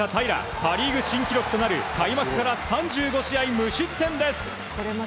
パ・リーグ新記録となる開幕から３５試合連続無失点です！